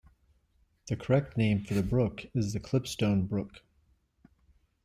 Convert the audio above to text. The correct name of the brook is the Clipstone Brook.